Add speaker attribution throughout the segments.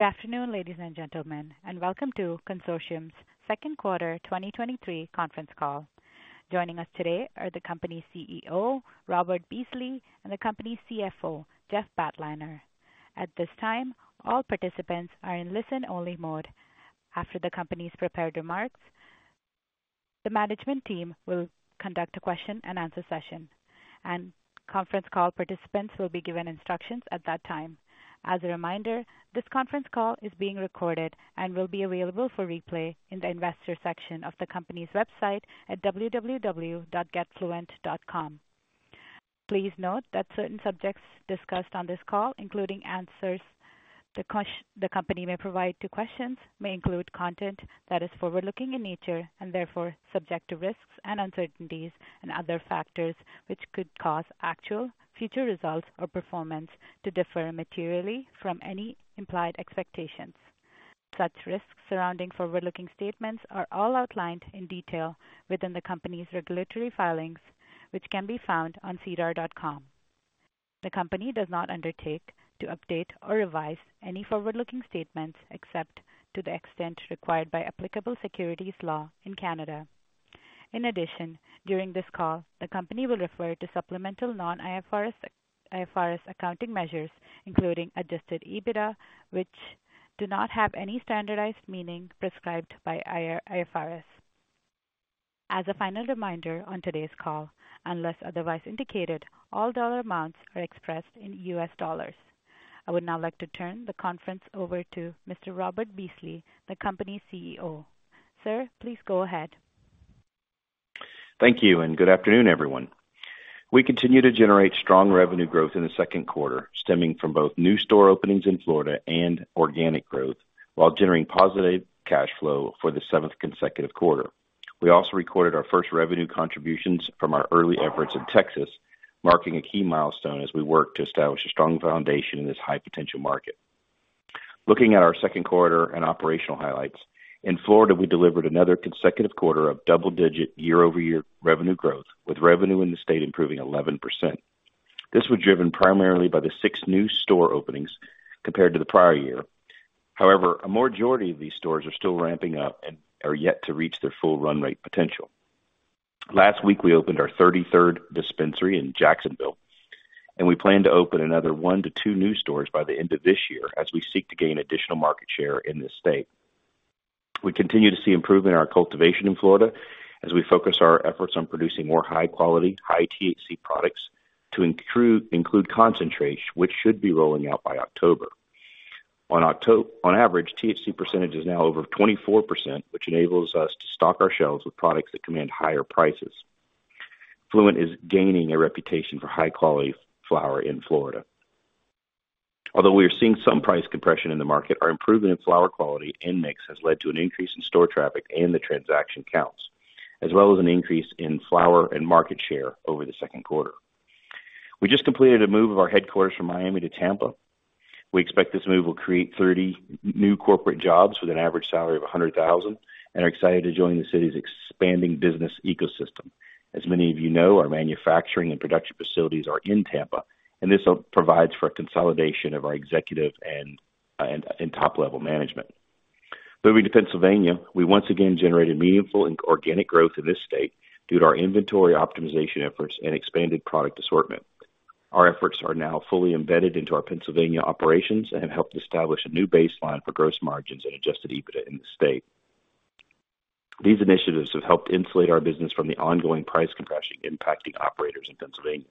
Speaker 1: Good afternoon, ladies and gentlemen, and welcome to Cansortium's second quarter 2023 conference call. Joining us today are the company's CEO, Robert Beasley, and the company's CFO, Jeff Batliner. At this time, all participants are in listen-only mode. After the company's prepared remarks, the management team will conduct a question-and-answer session, and conference call participants will be given instructions at that time. As a reminder, this conference call is being recorded and will be available for replay in the Investors section of the company's website at www.getfluent.com. Please note that certain subjects discussed on this call, including answers the company may provide to questions, may include content that is forward-looking in nature, and therefore subject to risks and uncertainties and other factors, which could cause actual future results or performance to differ materially from any implied expectations. Such risks surrounding forward-looking statements are all outlined in detail within the company's regulatory filings, which can be found on SEDAR.com. The company does not undertake to update or revise any forward-looking statements, except to the extent required by applicable securities law in Canada. In addition, during this call, the company will refer to supplemental non-IFRS, IFRS accounting measures, including Adjusted EBITDA, which do not have any standardized meaning prescribed by IFRS. As a final reminder on today's call, unless otherwise indicated, all dollar amounts are expressed in US dollars. I would now like to turn the conference over to Mr. Robert Beasley, the company's CEO. Sir, please go ahead.
Speaker 2: Thank you, and good afternoon, everyone. We continue to generate strong revenue growth in the second quarter, stemming from both new store openings in Florida and organic growth, while generating positive cash flow for the seventh consecutive quarter. We also recorded our first revenue contributions from our early efforts in Texas, marking a key milestone as we work to establish a strong foundation in this high-potential market. Looking at our second quarter and operational highlights, in Florida, we delivered another consecutive quarter of double-digit year-over-year revenue growth, with revenue in the state improving 11%. This was driven primarily by the six new store openings compared to the prior year. However, a majority of these stores are still ramping up and are yet to reach their full run rate potential. Last week, we opened our 33rd dispensary in Jacksonville, and we plan to open another 1-2 new stores by the end of this year as we seek to gain additional market share in this state. We continue to see improvement in our cultivation in Florida as we focus our efforts on producing more high quality, high THC products to include concentrates, which should be rolling out by October. On average, THC percentage is now over 24%, which enables us to stock our shelves with products that command higher prices. Fluent is gaining a reputation for high-quality flower in Florida. Although we are seeing some price compression in the market, our improvement in flower quality and mix has led to an increase in store traffic and the transaction counts, as well as an increase in flower and market share over the second quarter. We just completed a move of our headquarters from Miami to Tampa. We expect this move will create 30 new corporate jobs with an average salary of $100,000 and are excited to join the city's expanding business ecosystem. As many of you know, our manufacturing and production facilities are in Tampa, and this provides for a consolidation of our executive and top-level management. Moving to Pennsylvania, we once again generated meaningful and organic growth in this state due to our inventory optimization efforts and expanded product assortment. Our efforts are now fully embedded into our Pennsylvania operations and have helped establish a new baseline for gross margins and Adjusted EBITDA in the state. These initiatives have helped insulate our business from the ongoing price compression impacting operators in Pennsylvania.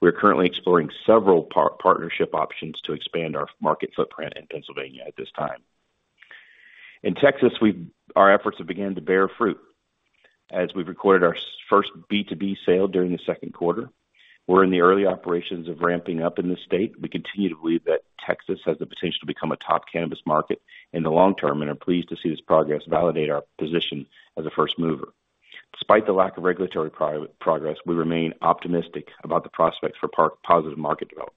Speaker 2: We are currently exploring several partnership options to expand our market footprint in Pennsylvania at this time. In Texas, our efforts have begun to bear fruit as we've recorded our first B2B sale during the second quarter. We're in the early operations of ramping up in this state. We continue to believe that Texas has the potential to become a top cannabis market in the long term and are pleased to see this progress validate our position as a first mover. Despite the lack of regulatory progress, we remain optimistic about the prospects for positive market developments.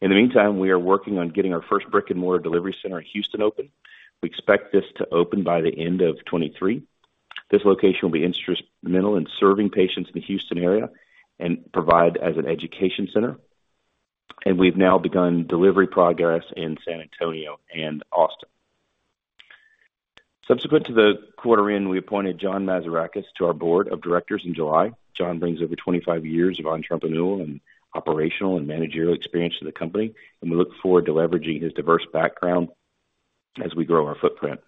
Speaker 2: In the meantime, we are working on getting our first brick-and-mortar delivery center in Houston open. We expect this to open by the end of 2023. This location will be instrumental in serving patients in the Houston area and provide as an education center, and we've now begun delivery progress in San Antonio and Austin. Subsequent to the quarter end, we appointed John Mazarakis to our board of directors in July. John brings over 25 years of entrepreneurial and operational and managerial experience to the company, and we look forward to leveraging his diverse background as we grow our footprint.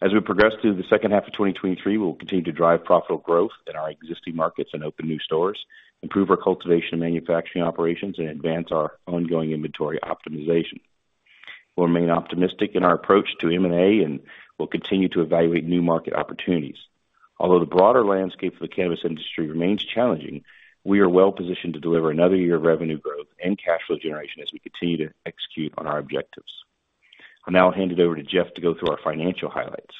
Speaker 2: As we progress through the second half of 2023, we will continue to drive profitable growth in our existing markets and open new stores, improve our cultivation and manufacturing operations, and advance our ongoing inventory optimization. We'll remain optimistic in our approach to M&A, and we'll continue to evaluate new market opportunities. Although the broader landscape for the cannabis industry remains challenging, we are well positioned to deliver another year of revenue growth and cash flow generation as we continue to execute on our objectives. I'll now hand it over to Jeff to go through our financial highlights.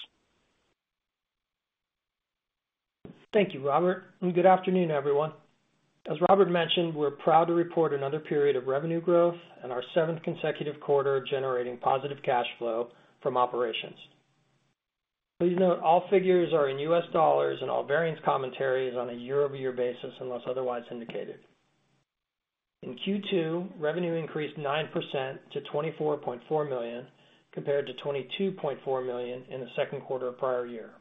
Speaker 3: Thank you, Robert, and good afternoon, everyone. As Robert mentioned, we're proud to report another period of revenue growth and our seventh consecutive quarter generating positive cash flow from operations. ...Please note, all figures are in U.S. dollars and all variance commentary is on a year-over-year basis, unless otherwise indicated. In Q2, revenue increased 9% to $24.4 million, compared to $22.4 million in the second quarter of prior year.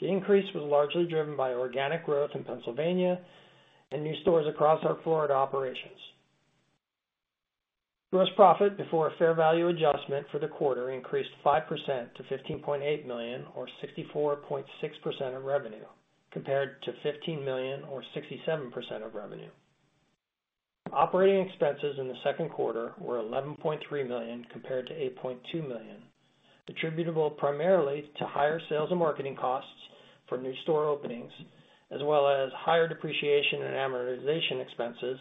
Speaker 3: The increase was largely driven by organic growth in Pennsylvania and new stores across our Florida operations. Gross profit before a fair value adjustment for the quarter increased 5% to $15.8 million, or 64.6% of revenue, compared to $15 million or 67% of revenue. Operating expenses in the second quarter were $11.3 million compared to $8.2 million, attributable primarily to higher sales and marketing costs for new store openings, as well as higher depreciation and amortization expenses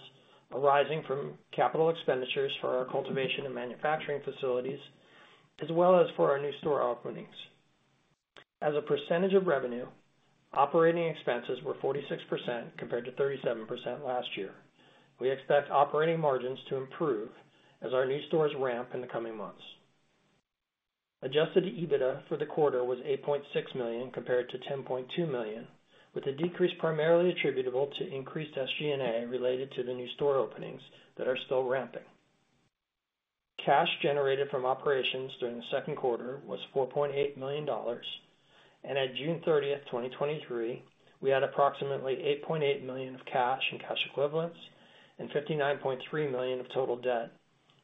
Speaker 3: arising from capital expenditures for our cultivation and manufacturing facilities, as well as for our new store openings. As a percentage of revenue, operating expenses were 46%, compared to 37% last year. We expect operating margins to improve as our new stores ramp in the coming months. Adjusted EBITDA for the quarter was $8.6 million, compared to $10.2 million, with a decrease primarily attributable to increased SG&A related to the new store openings that are still ramping. Cash generated from operations during the second quarter was $4.8 million, and at June 30, 2023, we had approximately $8.8 million of cash and cash equivalents and $59.3 million of total debt,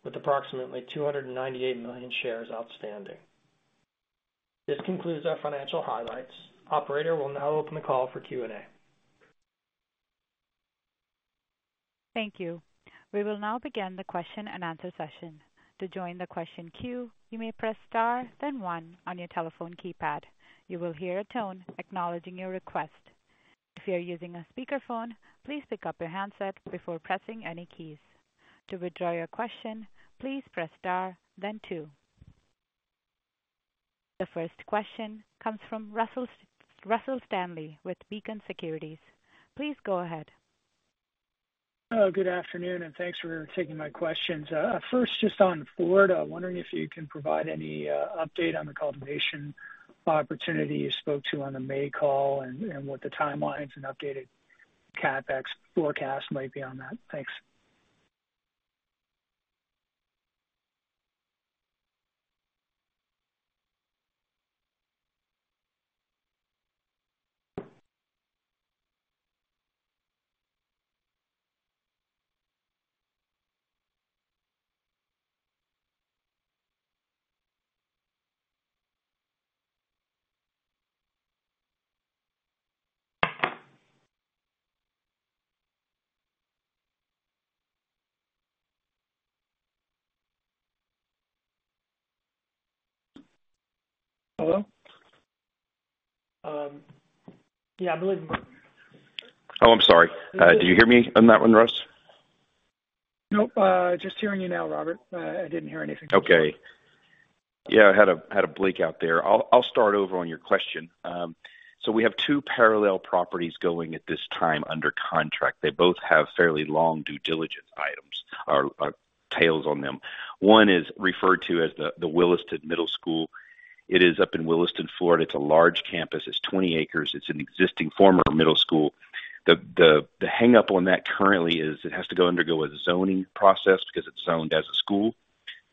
Speaker 3: with approximately 298 million shares outstanding. This concludes our financial highlights. Operator, we'll now open the call for Q&A.
Speaker 1: Thank you. We will now begin the question-and-answer session. To join the question queue, you may press star then one on your telephone keypad. You will hear a tone acknowledging your request. If you are using a speakerphone, please pick up your handset before pressing any keys. To withdraw your question, please press star then two. The first question comes from Russell, Russell Stanley with Beacon Securities. Please go ahead.
Speaker 4: Good afternoon, and thanks for taking my questions. First, just on Florida, I'm wondering if you can provide any update on the cultivation opportunity you spoke to on the May call and what the timelines and updated CapEx forecast might be on that. Thanks.
Speaker 3: Hello? Yeah, I believe-
Speaker 2: Oh, I'm sorry. Do you hear me on that one, Russ?
Speaker 4: Nope. Just hearing you now, Robert. I didn't hear anything.
Speaker 2: Okay. Yeah, I had a blink out there. I'll start over on your question. So we have two parallel properties going at this time under contract. They both have fairly long due diligence items or tails on them. One is referred to as the Williston Middle School. It is up in Williston, Florida. It's a large campus. It's 20 acres. It's an existing former middle school. The hang up on that currently is it has to go undergo a zoning process because it's zoned as a school.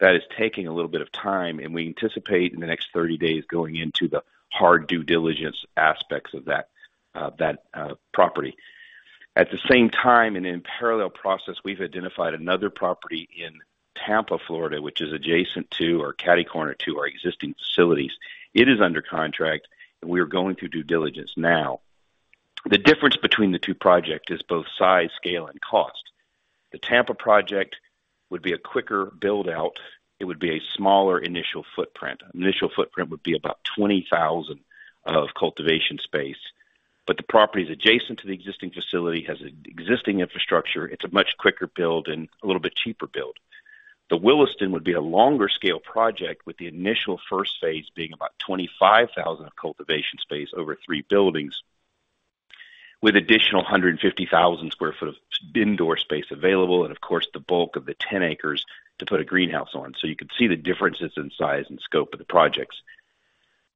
Speaker 2: That is taking a little bit of time, and we anticipate in the next 30 days, going into the hard due diligence aspects of that property. At the same time and in parallel process, we've identified another property in Tampa, Florida, which is adjacent to or catty-corner to our existing facilities. It is under contract, and we are going through due diligence now. The difference between the two project is both size, scale, and cost. The Tampa project would be a quicker build-out. It would be a smaller initial footprint. Initial footprint would be about 20,000 sq ft of cultivation space, but the property is adjacent to the existing facility, has an existing infrastructure. It's a much quicker build and a little bit cheaper build. The Williston would be a longer-scale project, with the initial first phase being about 25,000 sq ft of cultivation space over three buildings, with additional 150,000 sq ft of indoor space available, and of course, the bulk of the 10 acres to put a greenhouse on. So you can see the differences in size and scope of the projects.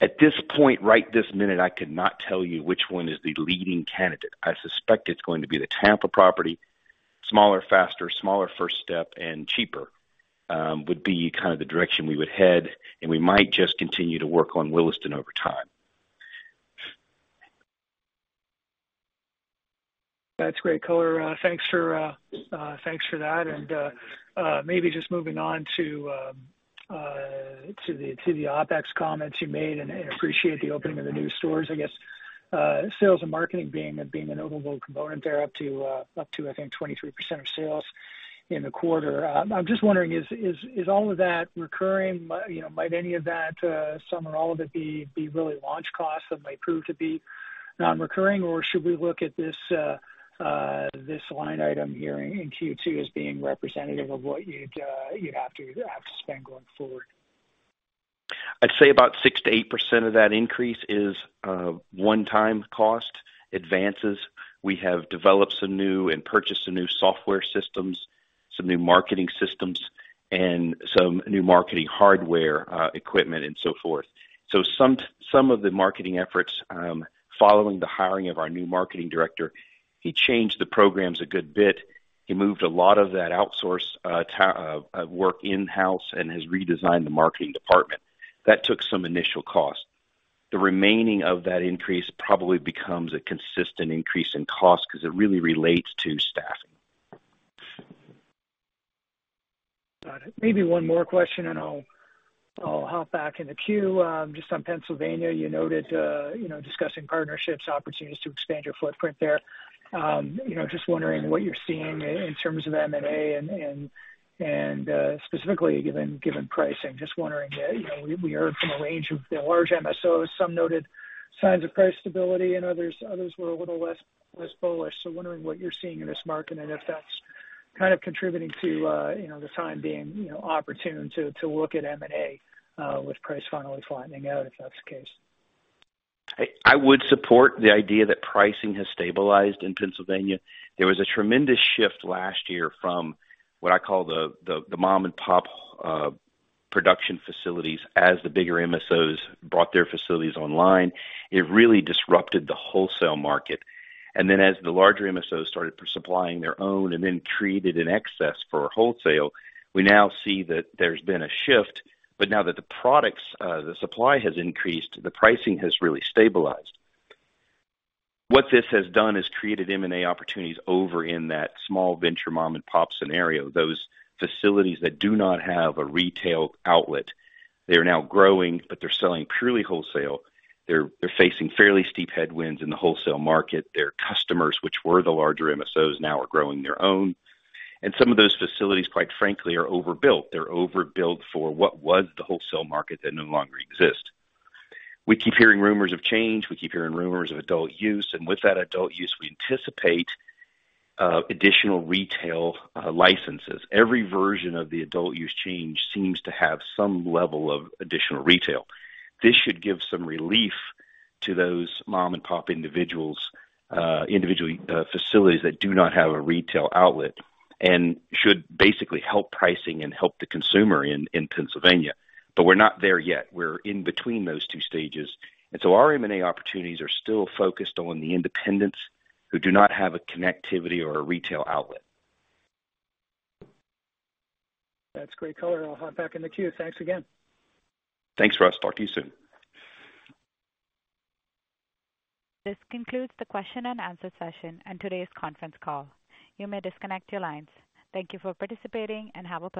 Speaker 2: At this point, right this minute, I could not tell you which one is the leading candidate. I suspect it's going to be the Tampa property. Smaller, faster, smaller first step, and cheaper, would be kind of the direction we would head, and we might just continue to work on Williston over time.
Speaker 4: That's great, color. Thanks for that. And maybe just moving on to the OpEx comments you made and appreciate the opening of the new stores. I guess sales and marketing being a notable component there, up to I think 23% of sales in the quarter. I'm just wondering, is all of that recurring? You know, might any of that some or all of it be really launch costs that might prove to be non-recurring, or should we look at this line item here in Q2 as being representative of what you'd have to spend going forward?
Speaker 2: I'd say about 6%-8% of that increase is one-time cost advances. We have developed some new and purchased some new software systems... some new marketing systems and some new marketing hardware, equipment and so forth. So some of the marketing efforts, following the hiring of our new marketing director, he changed the programs a good bit. He moved a lot of that outsource work in-house and has redesigned the marketing department. That took some initial cost. The remaining of that increase probably becomes a consistent increase in cost because it really relates to staffing.
Speaker 4: Got it. Maybe one more question, and I'll hop back in the queue. Just on Pennsylvania, you noted, you know, discussing partnerships, opportunities to expand your footprint there. You know, just wondering what you're seeing in terms of M&A and specifically, given pricing. Just wondering, you know, we heard from a range of the large MSOs. Some noted signs of price stability, and others were a little less bullish. So wondering what you're seeing in this market and if that's kind of contributing to, you know, the time being, you know, opportune to look at M&A, with price finally flattening out, if that's the case.
Speaker 2: I would support the idea that pricing has stabilized in Pennsylvania. There was a tremendous shift last year from what I call the mom-and-pop production facilities as the bigger MSOs brought their facilities online. It really disrupted the wholesale market. And then, as the larger MSOs started supplying their own and then treated in excess for wholesale, we now see that there's been a shift. But now that the products, the supply has increased, the pricing has really stabilized. What this has done is created M&A opportunities over in that small venture mom-and-pop scenario. Those facilities that do not have a retail outlet, they are now growing, but they're selling purely wholesale. They're facing fairly steep headwinds in the wholesale market. Their customers, which were the larger MSOs, now are growing their own. And some of those facilities, quite frankly, are overbuilt. They're overbuilt for what was the wholesale market that no longer exists. We keep hearing rumors of change. We keep hearing rumors of adult use, and with that adult use, we anticipate, additional retail, licenses. Every version of the adult use change seems to have some level of additional retail. This should give some relief to those mom-and-pop individuals, individual, facilities that do not have a retail outlet and should basically help pricing and help the consumer in, in Pennsylvania. But we're not there yet. We're in between those two stages, and so our M&A opportunities are still focused on the independents who do not have a connectivity or a retail outlet.
Speaker 4: That's great color. I'll hop back in the queue. Thanks again.
Speaker 2: Thanks, Russ. Talk to you soon.
Speaker 1: This concludes the question-and-answer session and today's conference call. You may disconnect your lines. Thank you for participating, and have a great day.